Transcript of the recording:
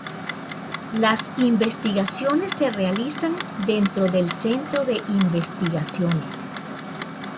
Las investigaciones se realizan dentro del centro de investigaciones.